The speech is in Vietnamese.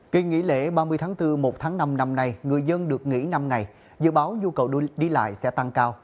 kỳ nghỉ lễ ba mươi tháng bốn một tháng năm năm nay người dân được nghỉ năm ngày dự báo nhu cầu đi lại sẽ tăng cao